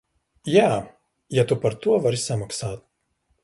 Jā, ja tu par to vari samaksāt.